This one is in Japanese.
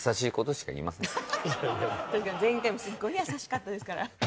確かに前回もすごい優しかったですから。